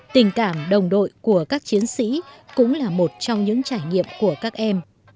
tình cảm đồng đội của các chiến sĩ cũng là một trong những trải nghiệm của các em